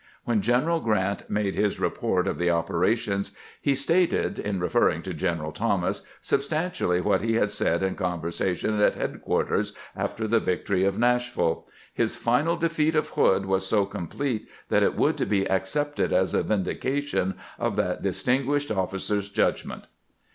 When General Grrant made his report of the operations, he stated, in referring to Greneral Thomas, substantially what he had said in conversation at head quarters after the victory of NashviUe :" His final defeat of Hood was so complete that it would be accepted as a vindication of that distinguished officer's judgment."